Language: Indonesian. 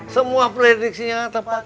semua prediksinya tepat